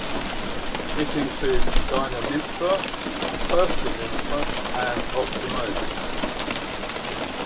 It includes "Dinenympha", "Pyrsonympha", and "Oxymonas".